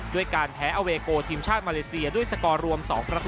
ด้วยการแพ้เอาเวโกทีมชาติมาเลเซียด้วยสกอรวม๒๒